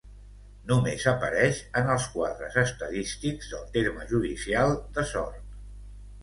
Només apareix en els quadres estadístics del terme judicial de Sort.